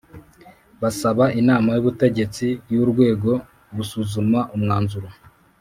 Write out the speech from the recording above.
Basaba Inama y Ubutegetsi y Urwego gusuzuma umwanzuro